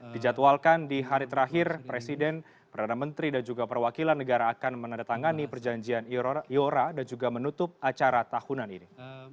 dijadwalkan di hari terakhir presiden perdana menteri dan juga perwakilan negara akan menandatangani perjanjian iora dan juga menutup acara tahunan ini